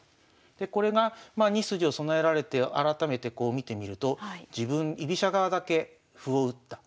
これが２筋を備えられて改めてこう見てみると自分居飛車側だけ歩を打った。